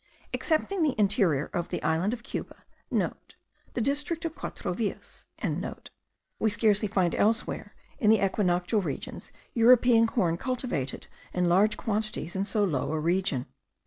Excepting the interior of the island of Cuba,* (* The district of Quatro Villas.) we scarcely find elsewhere in the equinoctial regions European corn cultivated in large quantities in so low a region.